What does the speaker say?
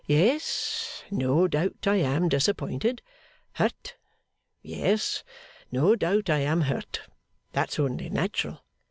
'Yes. No doubt I am disappointed. Hurt? Yes. No doubt I am hurt. That's only natural.